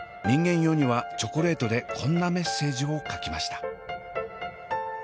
人間用にはチョコレートでこんなメッセージを書きました。